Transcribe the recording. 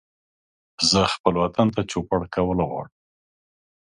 زه خپل وطن ته چوپړ کول غواړم